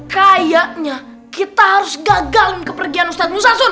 kayaknya kita harus gagalin kepergian ustadz musa sun